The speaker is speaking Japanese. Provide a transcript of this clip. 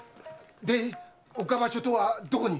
で岡場所とはどこに？